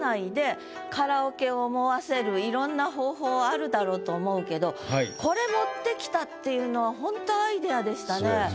いろんな方法あるだろうと思うけどこれ持ってきたっていうのはほんとアイディアでしたね。